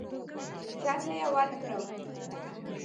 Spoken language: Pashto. چاته یې ورکړم.